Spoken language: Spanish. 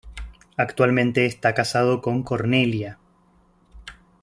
Actualmente, está casado con Cornelia.